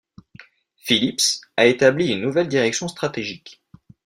Phillips a établi une nouvelle direction stratégique.